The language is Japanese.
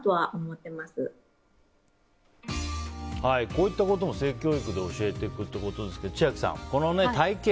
こういったことも性教育で教えていくということですが千秋さん、体形。